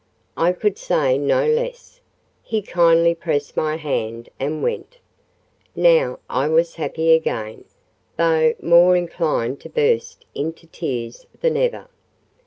I could say no less. He kindly pressed my hand, and went. Now, I was happy again—though more inclined to burst into tears than ever.